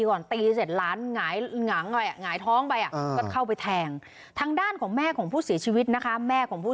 ก่อนตีเสร็จหลานหงายหงายท้องไปก็เข้าไปแทงทางด้านของแม่ของผู้เสียชีวิตนะคะแม่ของผู้